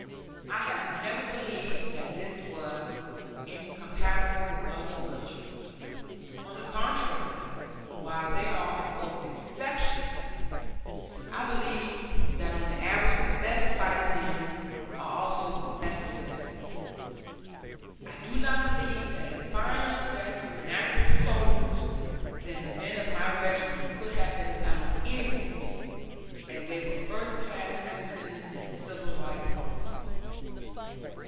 I have never believed that this was incompatible with other virtues. On the contrary, while there are of course exceptions, I believe that on the average the best fighting men are also the best citizens. I do not believe that a finer set of natural soldiers than the men of my regiment could have been found anywhere, and they were first class citizens in civil life also.